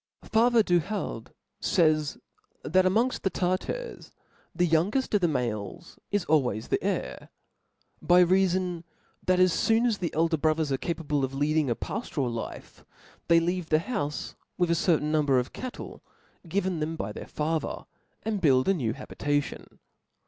pATHER Du Halde fays, that amongft the ^ Tartars the youngeft of the males is always the 4i6 THE SPIRIT Book the heir, by reafon that as foon as the elder brotherJ .thap!i». ^^^ capable of leading a paftoral life, they leave the houfe with a certain number ,of cattle given them by their father, and build a new habitation.